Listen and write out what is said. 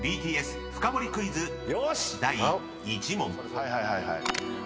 ［ＢＴＳフカボリクイズ第１問］